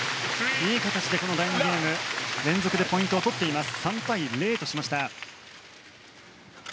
いい形で第２ゲーム連続でポイントを取っています。